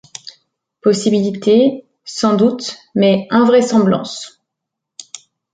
Possibilités, sans doute, mais invraisemblances.